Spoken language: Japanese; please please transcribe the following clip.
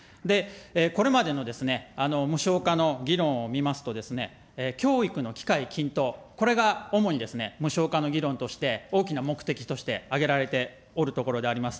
これまでの無償化の議論を見ますとですね、教育の機会均等、これが主にですね、無償化の議論として、大きな目的として挙げられておるところであります。